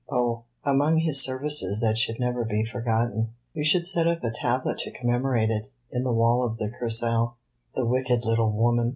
"Oh, among his services that should never be forgotten. You should set up a tablet to commemorate it, in the wall of the Kursaal! The wicked little woman!"